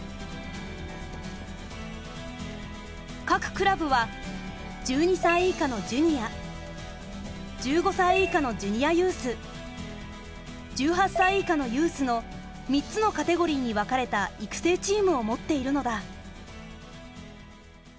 各クラブは１２歳以下のジュニア１５歳以下のジュニアユース１８歳以下のユースの３つのカテゴリーに分かれた育成チームを持っているのだ。